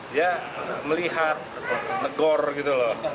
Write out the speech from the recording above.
dia melihat negor gitu loh